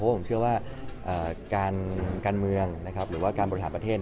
เพราะผมเชื่อว่าการเมืองหรือว่าการบริหารประเทศ